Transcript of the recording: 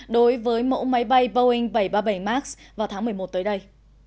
đối với mẫu máy bay boeing bảy trăm ba mươi bảy max vào tháng một mươi một tới đây